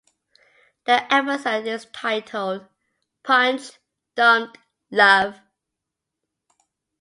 The episode is titled "Punched Dumped Love".